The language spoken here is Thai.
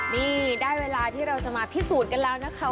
นี่ได้เวลาที่เราจะมาพิสูจน์กันแล้วนะคะ